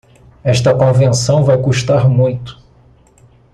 Esta convenção vai custar muito.